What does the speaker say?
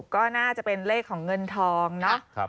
ก็น่าจะเป็นเลขของเงินทองเนาะ